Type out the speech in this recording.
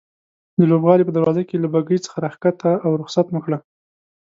د لوبغالي په دروازه کې له بګۍ څخه راکښته او رخصت مو کړه.